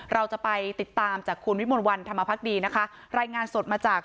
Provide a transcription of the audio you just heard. เราจะไปติดตามจากคุณวิมลวันธรรมพักดีนะคะรายงานสดมาจาก